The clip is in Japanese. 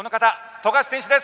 富樫選手です。